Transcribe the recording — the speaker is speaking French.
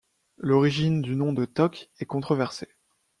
L'origine du nom de Tok est controversée.